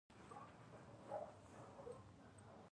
آیا د تیلو شګې یوه لویه سرچینه نه ده؟